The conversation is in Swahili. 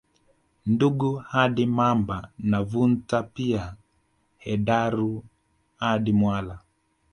Ndungu hadi Mamba na Vunta pia Hedaru hadi Mwala